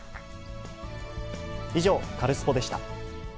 以上、カルスポっ！でした。